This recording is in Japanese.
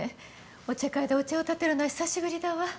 お茶会でお茶をたてるのは久しぶりだわ。